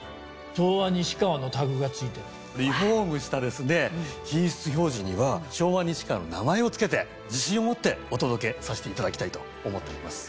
さらにリフォームした品質表示には昭和西川の名前を付けて自信を持ってお届けさせていただきたいと思っております。